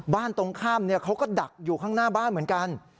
ตรงข้ามเขาก็ดักอยู่ข้างหน้าบ้านเหมือนกัน